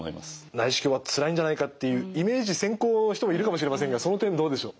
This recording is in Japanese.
内視鏡はつらいんじゃないかっていうイメージ先行の人もいるかもしれませんがその点どうでしょう？